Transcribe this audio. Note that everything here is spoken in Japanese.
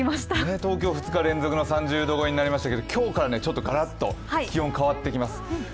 東京２日連続の３０度超えでしたけど今日からがらっと気温変わってきます。